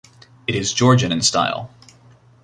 It is Georgian in style.